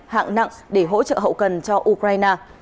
hạng nặng để hỗ trợ hậu cần cho ukraine